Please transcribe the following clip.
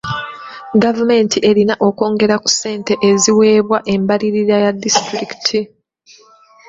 Gavumenti erina okwongera ku ssente eziweebwa embalirira ya disitulikiti.